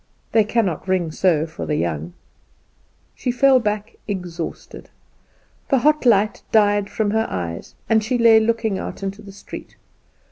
They cannot ring so for the young." She fell back exhausted; the hot light died from her eyes, and she lay looking out into the street.